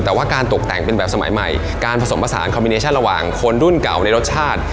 แต่ว่าการตกแต่งเป็นแบบสมัยใหม่การผสมผสานคอมมิเนชั่นระหว่างคนรุ่นเก่าในรสชาติ